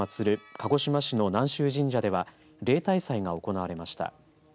鹿児島市の南洲神社では例大祭が行われました。